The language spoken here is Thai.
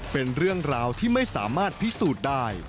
เป็นเรื่องราวที่ไม่สามารถพิสูจน์ได้